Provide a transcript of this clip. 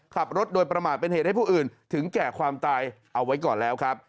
ขับรถโดยประมาทเป็นเหตุให้ผู้อื่นถึงแก่ความตายเอาไว้ก่อนแล้วครับ